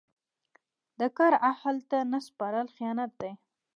د کار اهل ته نه سپارل خیانت دی.